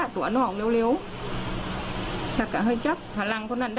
ตอนเย็น๓พฤษภาคม